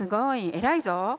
偉いぞ。